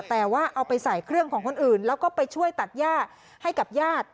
แต่ว่าเอาไปใส่เครื่องของคนอื่นแล้วก็ไปช่วยตัดย่าให้กับญาติ